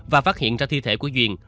và phát hiện ra thi thể của duyên